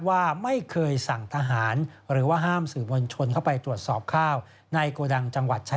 ว่าไม่เคยสั่งทหารหรือว่าห้ามสื่อมวลชนเข้าไปตรวจสอบข้าว